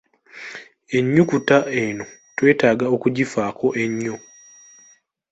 Ennyukuta eno twetaaga okugifaako ennyo.